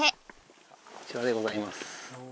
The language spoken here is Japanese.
こちらでございます。